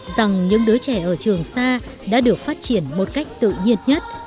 rằng những đứa trẻ ở trường sa đã được phát triển một cách tự nhiên nhất